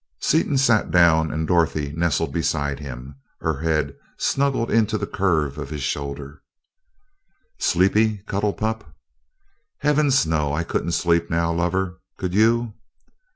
Seaton sat down and Dorothy nestled beside him, her head snuggled into the curve of his shoulder. "Sleepy, cuddle pup?" "Heavens, no! I couldn't sleep now, lover could you?"